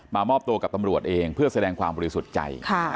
มอบตัวกับตำรวจเองเพื่อแสดงความบริสุทธิ์ใจ